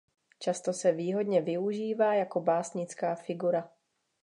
Často se výhodně využívá jako básnická figura.